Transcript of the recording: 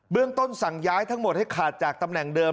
เรื่องต้นสั่งย้ายทั้งหมดให้ขาดจากตำแหน่งเดิม